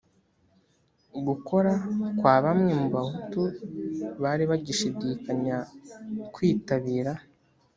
gukora kwa bamwe mu bahutu bari bagishidikanya kwitabira